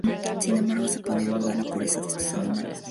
Sin embargo, se pone en duda la pureza de estos animales.